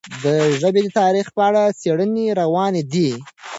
د ژبې د تاریخ په اړه څېړنې روانې دي.